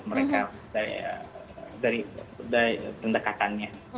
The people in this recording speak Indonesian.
mereka dari pendekatannya